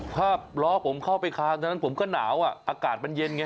ภาพล้อผมเข้าไปคามเท่านั้นผมก็หนาวอากาศมันเย็นไง